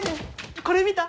これ見た？